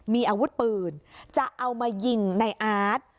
มีอาวุธปืนจะเอามายิงนายอาท